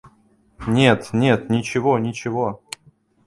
Нет, нет, ничего, ничего.